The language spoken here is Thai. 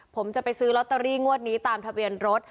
ผมจะไปซื้อลอตเตอรี่งวดนี้ตามทะเบียนรถ